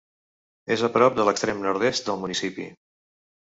És a prop de l'extrem nord-est del municipi.